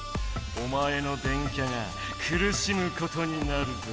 おまえの電キャがくるしむことになるぞ。